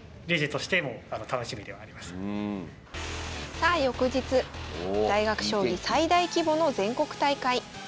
さあ翌日大学将棋最大規模の全国大会。